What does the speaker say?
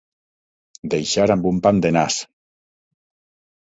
Deixar amb un pam de nas.